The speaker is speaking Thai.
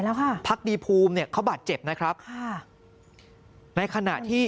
แล้วค่ะพักดีภูมิเนี่ยเขาบาดเจ็บนะครับค่ะในขณะที่